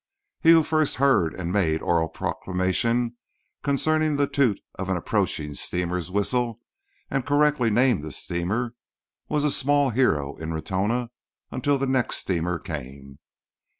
He who first heard and made oral proclamation concerning the toot of an approaching steamer's whistle, and correctly named the steamer, was a small hero in Ratona—until the next steamer came.